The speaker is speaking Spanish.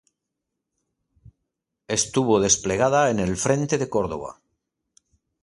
Estuvo desplegada en el Frente de Córdoba.